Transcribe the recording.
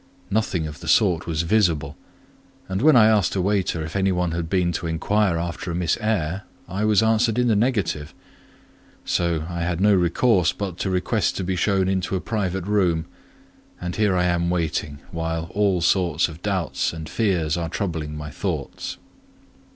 Nothing of the sort was visible; and when I asked a waiter if any one had been to inquire after a Miss Eyre, I was answered in the negative: so I had no resource but to request to be shown into a private room: and here I am waiting, while all sorts of doubts and fears are troubling my thoughts.